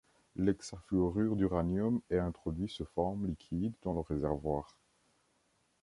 L'hexafluorure d'uranium est introduit sous forme liquide dans le réservoir.